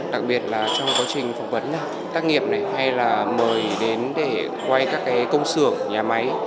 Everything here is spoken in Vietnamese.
đặc biệt là trong quá trình phỏng vấn tác nghiệp này hay là mời đến để quay các công sưởng nhà máy